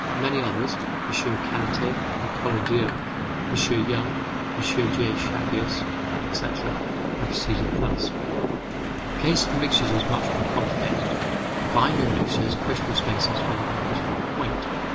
Many others, MM. Cailletet and Colardeau, M. Young, M.J. Chappuis, etc., have proceeded thus. The case of mixtures is much more complicated. A binary mixture has a critical space instead of a critical point.